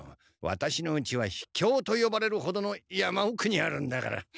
ワタシのうちは秘境とよばれるほどの山奥にあるんだから。